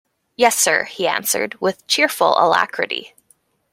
Yes, sir, he answered, with cheerful alacrity.